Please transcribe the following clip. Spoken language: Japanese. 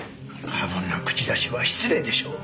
過分な口出しは失礼でしょう。